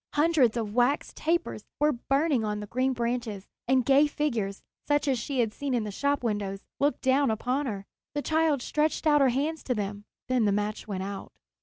Hundreds of wax tapers were burning on the green branches, and gay figures, such as she had seen in the shop windows, looked down upon her. The child stretched out her hands to them; then the match went out.